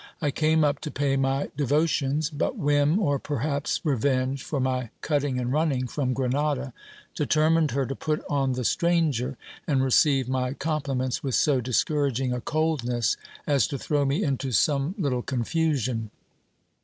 I came up to pay my devo tions ; but whim, or perhaps revenge for my cutting and running from Grenada, determined her to put on the stranger, and receive my compliments with so discouraging a coldness, as to throw me into some little confusion.